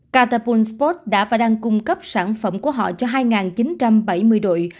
captain pool sport đã và đang cung cấp sản phẩm của họ cho hai chín trăm bảy mươi đội